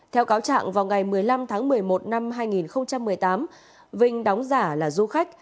theo cáo trạng vào ngày một mươi năm tháng một mươi một năm hai nghìn một mươi tám vinh đóng giả là du khách